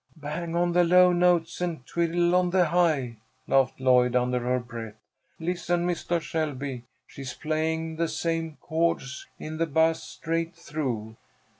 "Bang on the low notes and twiddle on the high!" laughed Lloyd, under her breath. "Listen, Mistah Shelby. She's playing the same chord in the bass straight through."